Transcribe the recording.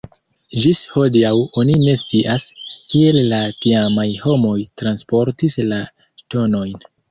Ĝis hodiaŭ oni ne scias, kiel la tiamaj homoj transportis la ŝtonojn.